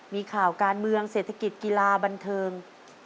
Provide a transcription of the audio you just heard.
มีข่าวการเมืองเศรษฐกิจกีฬาบันเทิง